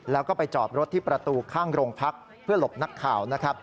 แล้วก็ไปจอบรถที่ประตูข้างโรงพัก